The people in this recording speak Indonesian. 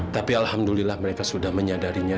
tapi alhamdulillah mereka sudah menyadarinya